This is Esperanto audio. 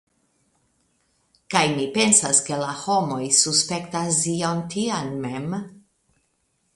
Kaj mi pensas, ke la homoj suspektas ion tian mem.